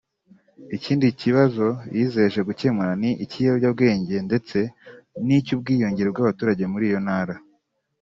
Ikindi kibazo yizeje gukemura ni icy’ibiyobyabwenge ndetse n’icy’ubwiyongere bw’abaturage muri iyo ntara